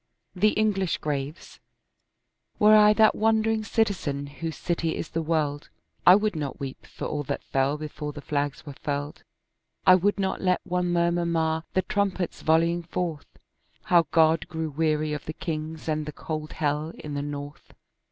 THE ENGLISH GRAVES Were I that wandering citizen whose city is the world, I would not weep for all that fell before the flags were furled; I would not let one murmur mar the trumpets volleying forth How God grew weary of the kings, and the cold hell in the north.